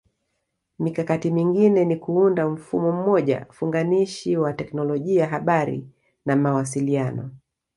Mikakati mingine ni kuunda mfumo mmoja funganishi wa Teknolojia Habari na Mawasiliano